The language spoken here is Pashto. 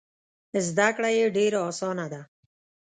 زده کړه یې ډېره اسانه ده.